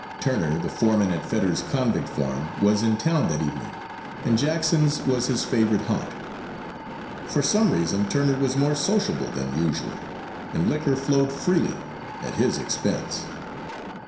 Turner, the foreman at Fetters's convict farm, was in town that evening, and Jackson's was his favourite haunt. For some reason Turner was more sociable than usual, and liquor flowed freely, at his expense.